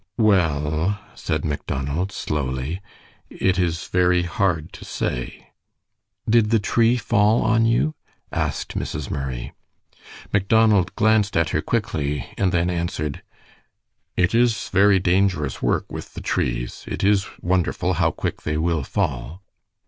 "Well," said Macdonald, slowly, "it is very hard to say." "Did the tree fall on you?" asked Mrs. Murray. Macdonald glanced at her quickly, and then answered: "It is very dangerous work with the trees. It is wonderful how quick they will fall."